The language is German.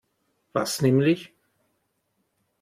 Was nämlich?